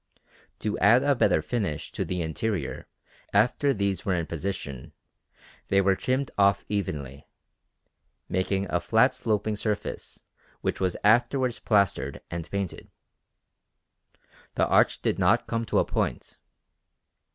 To add a better finish to the interior after these were in position, they were trimmed off evenly, making a flat sloping surface which was afterwards plastered and painted. The arch did not come to a point.